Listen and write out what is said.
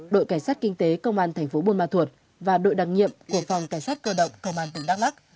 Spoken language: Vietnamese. đội cảnh sát kinh tế công an tp bôn ma thuột và đội đặc nhiệm của phòng cảnh sát cơ động công an tỉnh đắk lắk